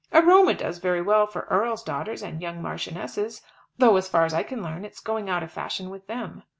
Aroma does very well for earls' daughters and young marchionesses, though as far as I can learn, it's going out of fashion with them.